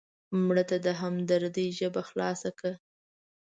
مړه ته د همدردۍ ژبه خلاصه کړه